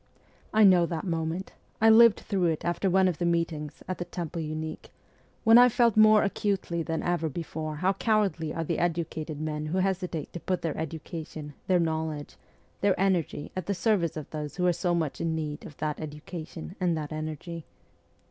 I know that moment ; I lived through it after one of the meetings at the Temple Unique, when I felt more acutely than ever before how cowardly are the educated men who hesitate to put their education, their knowledge, their energy at the service of those who are so much in need of that education and that energy.